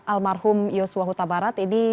almarhum yosua hutabarat ini